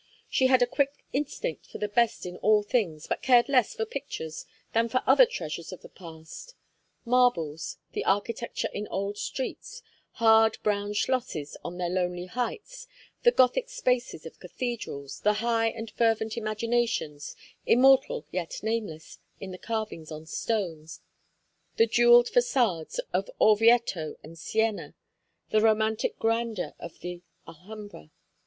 She had a quick instinct for the best in all things, but cared less for pictures than for other treasures of the past: marbles, the architecture in old streets, hard brown schlosses on their lonely heights, the Gothic spaces of cathedrals, the high and fervent imaginations, immortal yet nameless, in the carvings on stone; the jewelled façades of Orvieto and Siena, the romantic grandeur of the Alhambra.